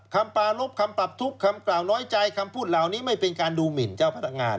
ปาลบคำปรับทุกข์คำกล่าวน้อยใจคำพูดเหล่านี้ไม่เป็นการดูหมินเจ้าพนักงาน